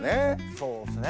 そうですね。